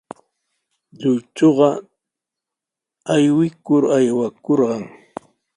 Lluychuqa aywikur aywakurqan.